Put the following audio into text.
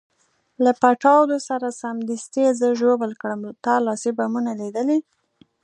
له پټاودو سره سمدستي یې زه ژوبل کړم، تا لاسي بمونه لیدلي؟